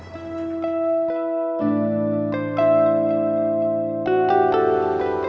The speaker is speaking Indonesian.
terima kasih ya